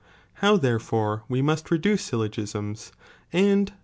How therefore we must reduce syllogisms, and ' YLz.